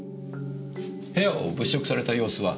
部屋を物色された様子は？